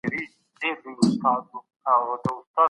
څه شی دفاع وزارت له لوی ګواښ سره مخ کوي؟